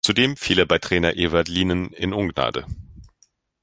Zudem fiel er bei Trainer Ewald Lienen in Ungnade.